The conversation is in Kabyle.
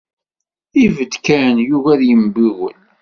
Ibedd kan, yugi ad yembiwel.